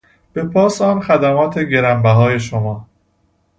به پاس آن خدمات گرانبهای شما